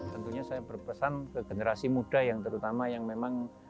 tentunya saya berpesan ke generasi muda yang terutama yang memang